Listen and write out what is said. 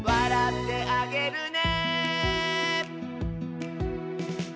「おどってあげるね」